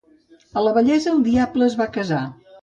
A la vellesa el diable es va casar.